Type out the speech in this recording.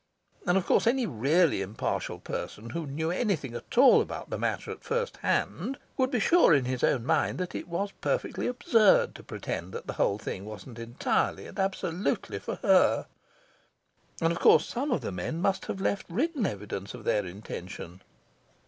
And of course any really impartial person who knew anything at all about the matter at first hand would be sure in his own mind that it was perfectly absurd to pretend that the whole thing wasn't entirely and absolutely for her... And of course some of the men must have left written evidence of their intention.